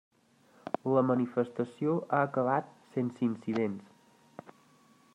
La manifestació ha acabat sense incidents.